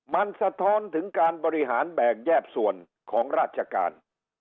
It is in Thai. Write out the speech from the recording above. มันสะท้อนถึงการบริหารแบกแยกส่วนของราชการ